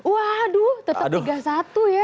waduh tetap tiga satu ya